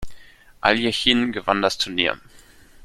Aljechin gewann das Turnier.